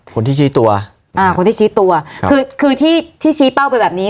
คนที่ชี้ตัวอ่าคนที่ชี้ตัวคือคือที่ที่ชี้เป้าไปแบบนี้